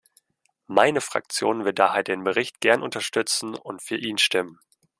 Meine Fraktion wird daher den Bericht gern unterstützen und für ihn stimmen.